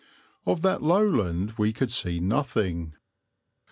Of that lowland we could see nothing.